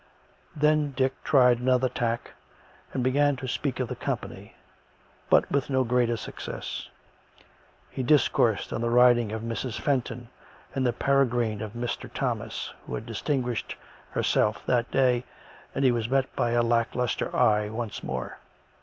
Then Dick tried another tack and began to speak of the company, but with no greater success. He discoursed on the riding of Mrs. Fenton, and the peregrine of Mr. Thomas, who had distinguished herself that day, and he was met by a lack lustre eye once more.